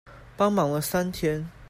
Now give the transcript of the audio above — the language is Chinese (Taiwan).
幫忙了三天